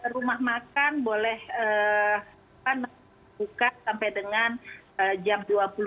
rumah makan boleh buka sampai dengan jam dua puluh